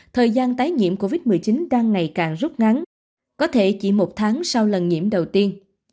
thời gian tái nhiễm covid một mươi chín đang ngày càng rút ngắn có thể chỉ một tháng sau lần nhiễm đầu tiên